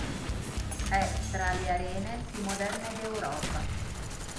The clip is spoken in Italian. È tra le arene più moderne d'Europa.